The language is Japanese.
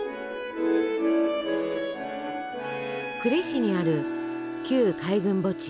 呉市にある旧海軍墓地。